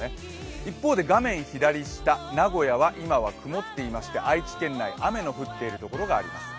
一方で画面左下、名古屋は今は曇っていまして愛知県内、雨の降っているところがあります。